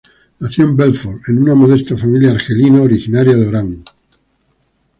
Nació en Belfort, en una modesta familia argelina originaria de Orán.